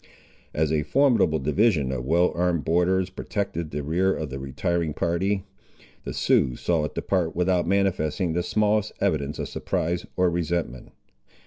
As a formidable division of well armed borderers protected the rear of the retiring party, the Siouxes saw it depart without manifesting the smallest evidence of surprise or resentment.